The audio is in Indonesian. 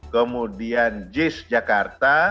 kemudian jis jakarta